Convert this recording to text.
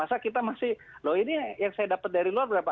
masa kita masih loh ini yang saya dapat dari luar berapa